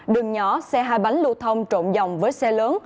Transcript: đường nhỏ xe hai bánh lưu thông trộn dòng với xe lớn